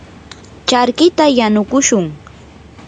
charkita yanukushun.